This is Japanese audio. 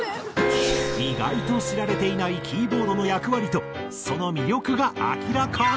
意外と知られていないキーボードの役割とその魅力が明らかに！